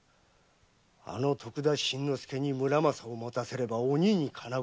あの徳田新之助に「村正」を持たせれば鬼に金棒。